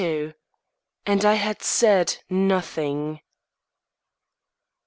XXXII AND I HAD SAID NOTHING!